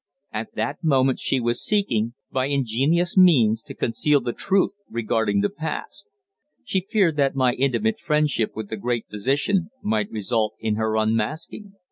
At that moment she was seeking, by ingenious means, to conceal the truth regarding the past. She feared that my intimate friendship with the great physician might result in her unmasking.